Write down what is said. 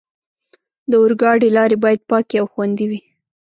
د اورګاډي لارې باید پاکې او خوندي وي.